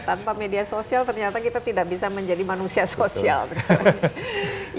tanpa media sosial ternyata kita tidak bisa menjadi manusia sosial sekarang